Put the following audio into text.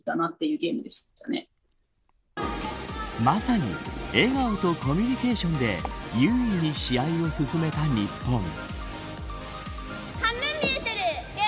まさに、笑顔とコミュニケーションで優位に試合を進めた日本。